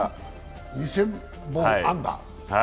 ２０００本安打。